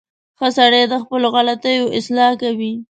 • ښه سړی د خپلو غلطیو اصلاح کوي.